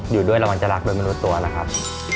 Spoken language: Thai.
อยู่ด้วยระวังจะรักโดยมนุษย์ตัวนะครับ